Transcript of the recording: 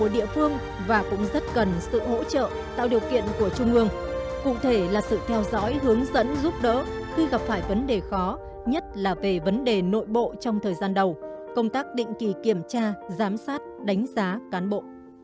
đây là sự theo dõi hướng dẫn giúp đỡ khi gặp phải vấn đề khó nhất là về vấn đề nội bộ trong thời gian đầu công tác định kỳ kiểm tra giám sát đánh giá cán bộ